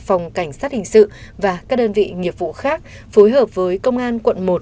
phòng cảnh sát hình sự và các đơn vị nghiệp vụ khác phối hợp với công an quận một